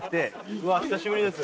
うわ久しぶりです。